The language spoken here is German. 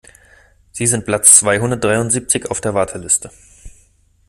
Sie sind Platz zweihundertdreiundsiebzig auf der Warteliste.